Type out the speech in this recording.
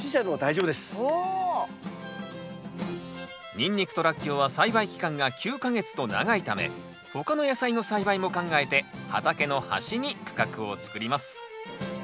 ニンニクとラッキョウは栽培期間が９か月と長いため他の野菜の栽培も考えて畑の端に区画を作ります。